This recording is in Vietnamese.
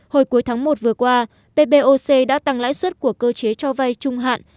hồi cuối tháng một vừa qua ppoc đã tăng lãi suất của cơ chế cho vay trung hạn